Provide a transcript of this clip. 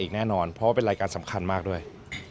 แน่นอนเพราะว่าเป็นรายการสำคัญมากด้วย